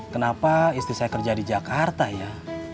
kenapa istri saya kerja di jakarta ya